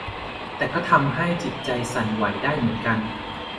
แต่ก็ทำให้จิตใจสั่นไหวได้เหมือนกัน